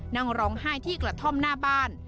นั่งร้องไห้ที่กระท่อมหน้าบ้าน